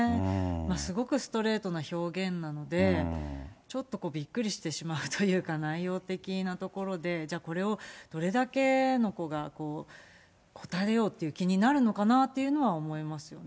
すごくストレートな表現なので、ちょっとびっくりしてしまうというか、内容的なところで、じゃあ、これをどれだけの子が答えようっていう気になるのかなというふうに思いますよね。